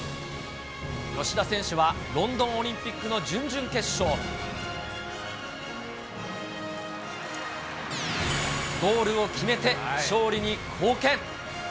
吉田選手は、ロンドンオリンピックの準々決勝。ゴールを決めて勝利に貢献。